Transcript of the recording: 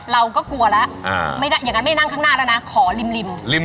เราก็กลัวแล้วอย่างนั้นไม่นั่งข้างหน้าแล้วนะขอริมริม